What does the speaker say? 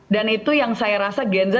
dan itu yang saya rasa gen z